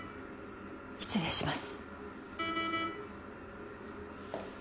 失礼します